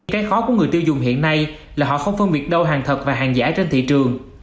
cái khó của người tiêu dùng hiện nay là họ không phân biệt đâu hàng thật và hàng giả trên thị trường